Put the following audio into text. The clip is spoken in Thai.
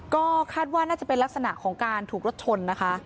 ก็คาดว่าน่าจะเป็นลักษณะของการถูกรถชนนะคะ